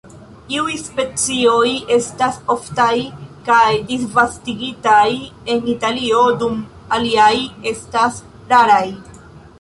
Iuj specioj estas oftaj kaj disvastigitaj en Italio dum aliaj estas raraj.